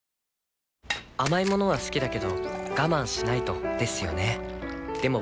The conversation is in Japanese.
甘い物は好きだけど我慢しないとですよね